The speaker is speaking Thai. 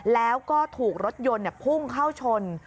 แล้วก็ถูกรถยนต์พุ่งเข้าชน